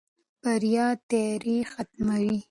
بریا تیارې ختموي.